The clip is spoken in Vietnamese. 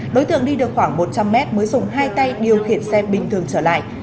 đối tượng đi được khoảng một trăm linh mét mới dùng hai tay điều khiển xe bình thường trở lại